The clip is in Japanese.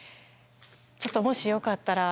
ちょっともしよかったら。